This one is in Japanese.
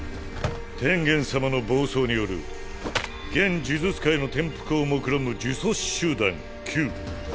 天元様の暴走による現呪術会の転覆をもくろむ呪詛師集団「Ｑ」。